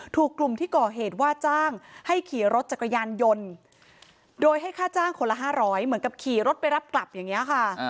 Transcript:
ถูกกลุ่มที่ก่อเหตุว่าจ้างให้ขี่รถจักรยานยนต์โดยให้ค่าจ้างคนละ๕๐๐เหมือนกับขี่รถไปรับกลับอย่างนี้ค่ะ